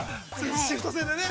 ◆シフト制でね。